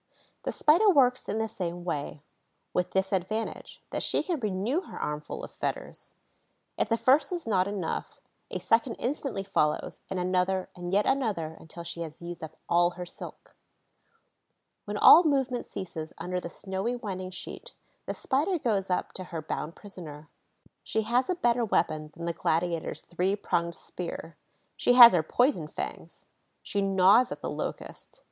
The Spider works in the same way, with this advantage, that she can renew her armful of fetters. If the first is not enough, a second instantly follows, and another and yet another until she has used up all her silk. When all movement ceases under the snowy winding sheet, the Spider goes up to her bound prisoner. She has a better weapon than the gladiator's three pronged spear: she has her poison fangs. She gnaws at the Locust.